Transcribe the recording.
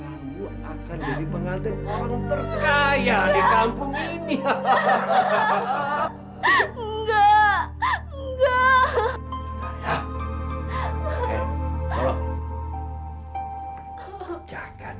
ibu akan jadi pengantin orang terkaya di kampung ini enggak enggak